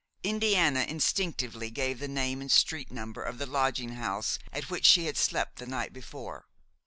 Indiana instinctively gave the name and street number of the lodging house at which she had slept the night before.